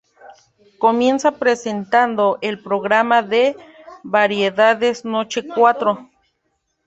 Comienza presentando el programa de variedades "Noche Cuatro".